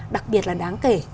đặc biệt là đáng kể